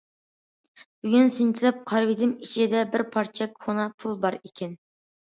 بۈگۈن سىنچىلاپ قارىۋىدىم ئىچىدە بىر پارچە كونا پۇل بار ئىكەن.